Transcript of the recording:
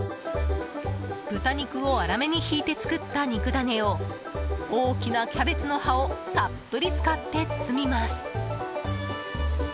豚肉を粗めにひいて作った肉ダネを大きなキャベツの葉をたっぷり使って包みます。